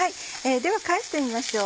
では返してみましょう。